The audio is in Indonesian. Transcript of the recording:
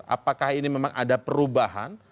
apakah ini memang ada perubahan